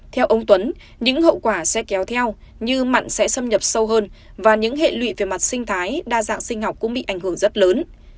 theo ông tuấn những hậu quả sẽ kéo theo như mặn sẽ xâm nhập sâu hơn và những hệ lụy về mặt sinh thái đa dạng sinh học cũng bị ảnh hưởng rất lớn